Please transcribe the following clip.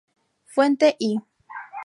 Fuente: y